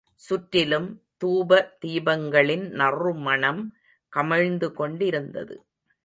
சுற்றிலும் தூப தீபங்களின் நறுமணம் கமழ்ந்துகொண்டிருந்தது.